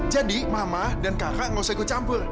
jadi mama dan kakak enggak usah ikut campur